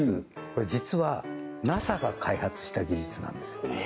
これ実はＮＡＳＡが開発した技術なんですよ